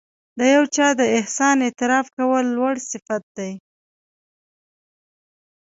د یو چا د احسان اعتراف کول لوړ صفت دی.